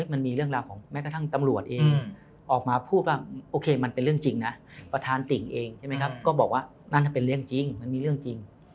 มันมีเรื่องราวของแม้กระทั่งตำรวจเองออกมาพูดว่ามันเป็นเรื่องจริงนะประธานติ่งเองก็บอกว่านั่นเป็นเรื่องจริง